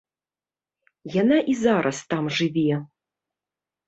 Яна і зараз там жыве.